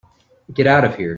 Get out of here.